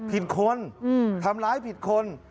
ผิดคนทำร้ายผิดคน